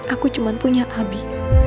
aku cuma punya abi